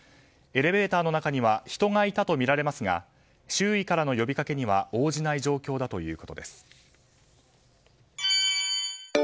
エレベーターの中には人がいたとみられますが周囲からの呼びかけには応じない状況だということです。